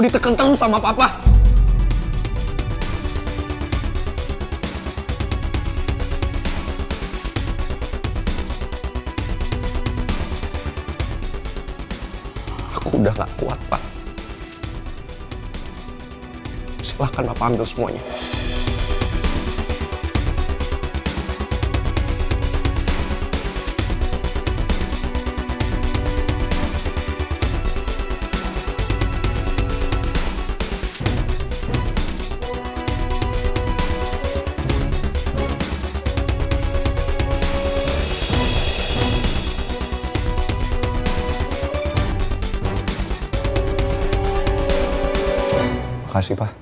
terima kasih pak